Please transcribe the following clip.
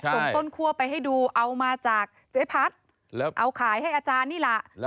ต้นคั่วไปให้ดูเอามาจากเจ๊พัดเอาขายให้อาจารย์นี่แหละ